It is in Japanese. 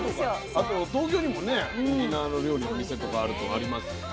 あと東京にもね沖縄の料理のお店とかあるとありますよね。